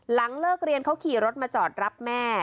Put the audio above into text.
หลังเลิกเรียนเขาขี่รถมาจอดรับแม่